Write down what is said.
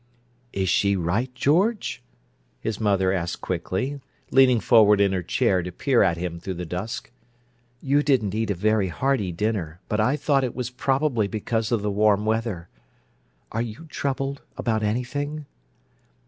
"Is she right, George?" his mother asked quickly, leaning forward in her chair to peer at him through the dusk. "You didn't eat a very hearty dinner, but I thought it was probably because of the warm weather. Are you troubled about anything?"